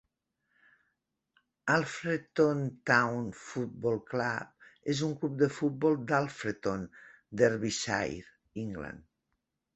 Alfreton Town Football Club és un club de futbol d'Alfreton, Derbyshire, England.